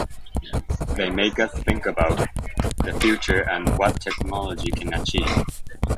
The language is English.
They make us think about the future and what technology can achieve.